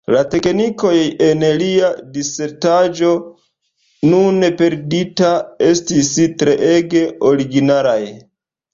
La teknikoj en lia disertaĵo, nun perdita, estis treege originalaj.